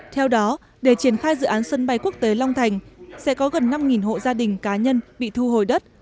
theo đó để triển khai dự án sân bay quốc tế long thành sẽ có gần năm hộ gia đình cá nhân bị thu hồi đất